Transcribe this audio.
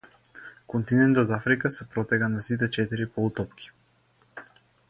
Континентот Африка се протега на сите четири полутопки.